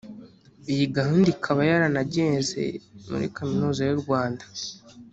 Iyi gahunda ikaba yaranageze muri kaminuza y’u Rwanda